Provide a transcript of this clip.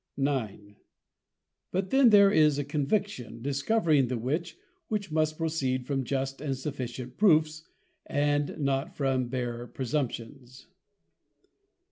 _ IX. _But then there is a +Conviction+, discovering the +Witch+, which must proceed from just and sufficient proofs, and not from bare presumptions.